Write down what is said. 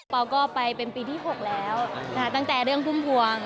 เราก็ไปเป็นปีที่๖แล้วนะคะตั้งแต่เรื่องพุ่มพวง